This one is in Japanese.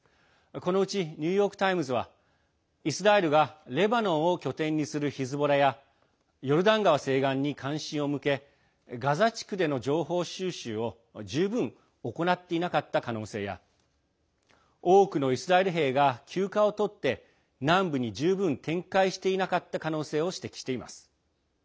このうちニューヨーク・タイムズはイスラエルがレバノンを拠点にするヒズボラやヨルダン川西岸に関心を向けガザ地区での情報収集を十分行っていなかった可能性や多くのイスラエル兵が休暇をとって南部に十分展開していなかった可能性を指摘しています。